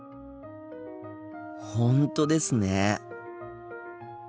本当ですね。